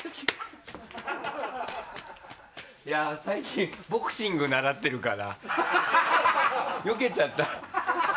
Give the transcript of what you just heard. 最近、ボクシング習ってるからよけちゃった。